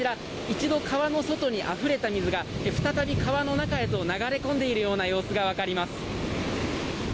一度川の外にあふれた水が再び川の中へと流れ込んでいるような様子が分かります。